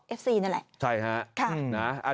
เอฟซีนั่นแหละ